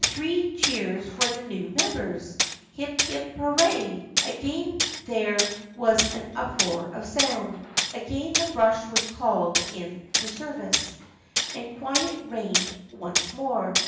Three cheers for the new members. Hip — hip — hurray !" Again there was an uproar of sound. Again the brush was called into service, and quiet reigned once more.